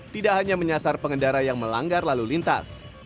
tidak hanya menyasar pengendara yang melanggar lalu lintas